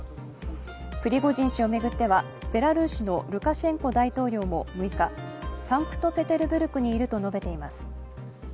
プリゴジン氏を巡ってはベラルーシのルカシェンコ大統領も６日、サンクトペテルブルクにいると述べています。